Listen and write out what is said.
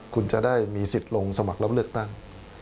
คุณจะได้มีสิทธิ์ลงสมัครรับเลือกตั้ง